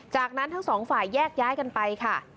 จากนั้นทั้งสองฝ่ายแยกย้ายกันไปค่ะ